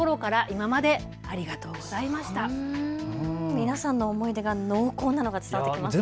皆さんの思い出が濃厚なのが伝わってきますね。